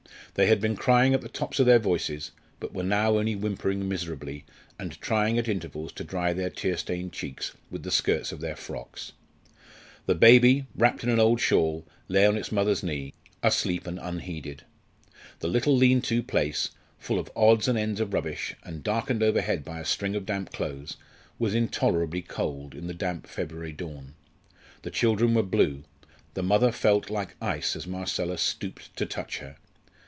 They had been crying at the tops of their voices, but were now only whimpering miserably, and trying at intervals to dry their tear stained cheeks with the skirts of their frocks. The baby, wrapped in an old shawl, lay on its mother's knee, asleep and unheeded. The little lean to place, full of odds and ends of rubbish, and darkened overhead by a string of damp clothes was intolerably cold in the damp February dawn. The children were blue; the mother felt like ice as Marcella stooped to touch her.